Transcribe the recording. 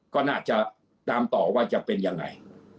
ก็น่าจะตามต่อว่าจะเป็นยังไง